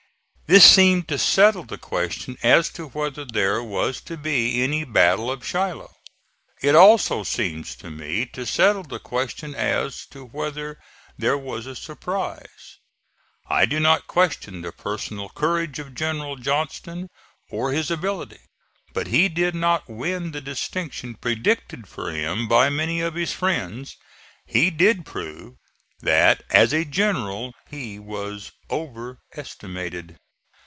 This seemed to settle the question as to whether there was to be any battle of Shiloh. It also seems to me to settle the question as to whether there was a surprise. I do not question the personal courage of General Johnston, or his ability. But he did not win the distinction predicted for him by many of his friends. He did prove that as a general he was over estimated.